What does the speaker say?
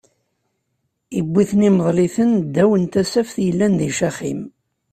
Iwwi-ten imeḍl-iten ddaw n tasaft yellan di Caxim.